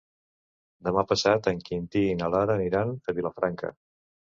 Demà passat en Quintí i na Lara aniran a Vilafranca.